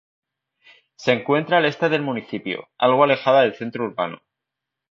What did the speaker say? Se encuentra al este del municipio, algo alejada del centro urbano.